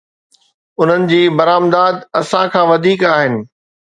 انهن جي برآمدات اسان کان وڌيڪ آهن.